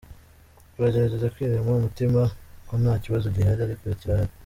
Tugerageza kwirema umutima ko nta kibazo gihari, ariko kirahari.